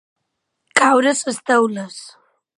Caure les teules.